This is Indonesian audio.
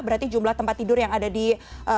berarti jumlah tempat tidur yang ada di rumah sakit